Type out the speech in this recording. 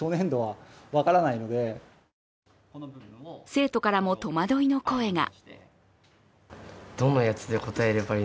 生徒からも戸惑いの声が。